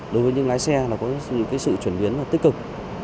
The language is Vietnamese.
đối với những lái xe là có những sự chuyển biến tích cực